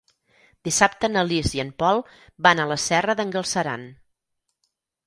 Dissabte na Lis i en Pol van a la Serra d'en Galceran.